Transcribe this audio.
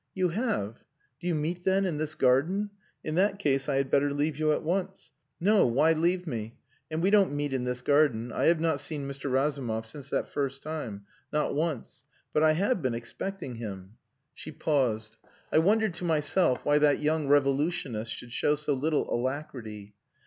"You have! Do you meet, then, in this garden? In that case I had better leave you at once." "No, why leave me? And we don't meet in this garden. I have not seen Mr. Razumov since that first time. Not once. But I have been expecting him...." She paused. I wondered to myself why that young revolutionist should show so little alacrity.